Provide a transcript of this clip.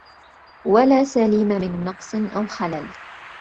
وَلَا سَلِيمَ مِنْ نَقْصٍ أَوْ خَلَلٍ